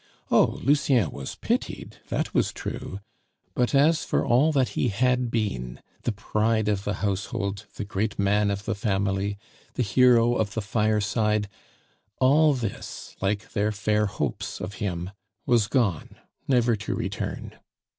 Oh! Lucien was pitied, that was true; but as for all that he had been, the pride of the household, the great man of the family, the hero of the fireside, all this, like their fair hopes of him, was gone, never to return.